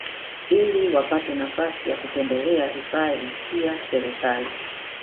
iliwapate nafasi ya kutembelea hifadhi Pia Serekali